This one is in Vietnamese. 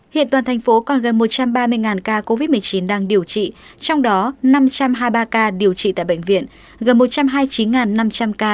hiện toàn thành phố còn gần một trăm ba mươi ca covid một mươi chín đang điều trị trong đó năm trăm hai mươi ba ca điều trị tại bệnh viện gần một trăm hai mươi chín năm trăm linh ca